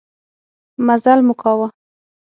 مزلمو کاوه.